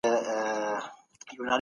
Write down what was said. هغه خپل پلان په پوره برياليتوب ترسره کړ.